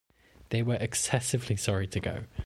They were excessively sorry to go!